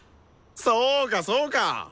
そうかそうか！